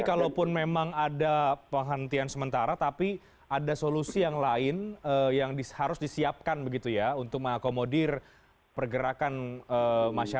karena kami sekali lagi menerima arahan bahwa